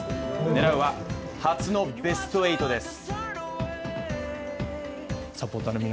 狙うは初のベスト８です。